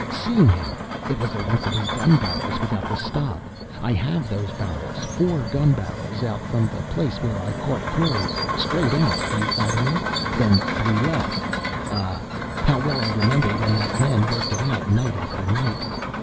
"See now! It was the length of his gun barrels without the stock. I have those barrels. Four gun barrels out from the place where I caught crows. Straight out; do you follow me? Then three left. Ah! how well I remember when that man worked it out night after night.